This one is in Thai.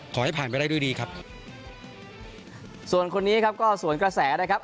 ขอให้ผ่านไปได้ด้วยดีครับส่วนคนนี้ครับก็สวนกระแสนะครับ